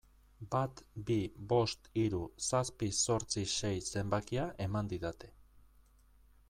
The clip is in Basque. Bat bi bost hiru zazpi zortzi sei zenbakia eman didate.